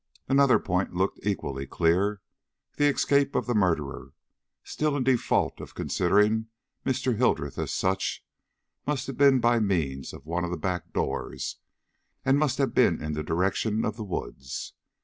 Another point looked equally clear. The escape of the murderer still in default of considering Mr. Hildreth as such must have been by means of one of the back doors, and must have been in the direction of the woods.